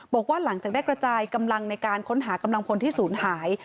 บอกว่าหลังจากได้กระจายกำลังในการค้นหากำลังพลที่ศูนย์หาย